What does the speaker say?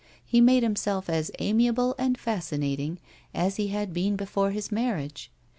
He made himself as amiable and fascinating as he had been before his marriage.